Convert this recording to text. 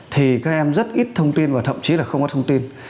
thì các em rất ít thông tin và thậm chí là không có thông tin